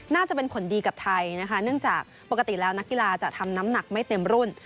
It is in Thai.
น่าจะเป็นผลดีกับไทยนะคะเนื่องจากปกติแล้วนักกีฬาจะทำน้ำหนักไม่เต็มรุ่น